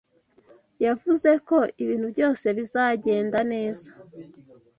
Yavuze ko ibintu byose bizagenda neza.